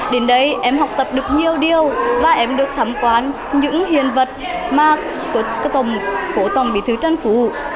đến đây em học tập được nhiều điều và em được thăm quan những hiện vật của tổng bí thư trần phú